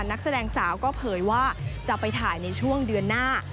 นักแสดงสาวก็เผยว่าจะไปถ่ายในช่วงเดือนหน้า